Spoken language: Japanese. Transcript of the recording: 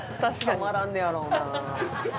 たまらんねやろな。